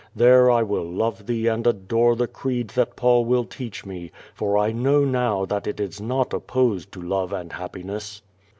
There I will love thee and adore the creed tliat Paul will teach mc, for I know now that it is not opposed to love and ha))piness.